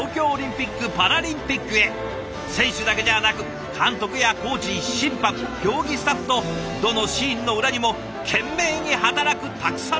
選手だけではなく監督やコーチ審判競技スタッフとどのシーンの裏にも懸命に働くたくさんのオトナたち。